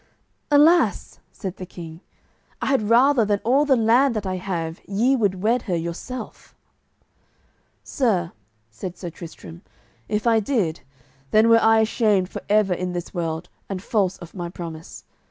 "Alas," said the king, "I had rather than all the land that I have ye would wed her yourself." "Sir," said Sir Tristram, "if I did, then were I ashamed for ever in this world, and false of my promise.